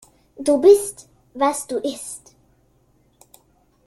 Du bist, was du isst.